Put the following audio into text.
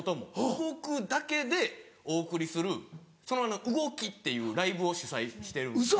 動くだけでお送りする『動ＵＧＯＫＩ』っていうライブを主催してるんですよ。